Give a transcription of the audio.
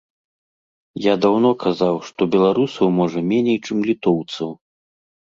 Я даўно казаў, што беларусаў, можа, меней, чым літоўцаў.